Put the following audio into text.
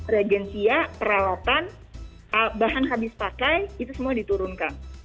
regensia peralatan bahan habis pakai itu semua diturunkan